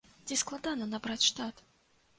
Ці складана набраць штат?